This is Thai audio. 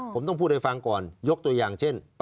คุณต้องพูดให้ฟังก่อน